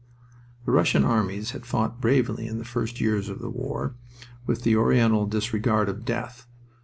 The Russian armies had fought bravely in the first years of the war, with an Oriental disregard of death.